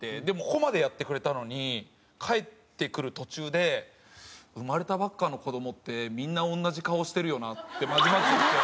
ここまでやってくれたのに帰ってくる途中で「生まれたばっかの子どもってみんな同じ顔してるよな」ってまじまじと言って。